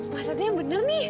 mas ini yang bener nih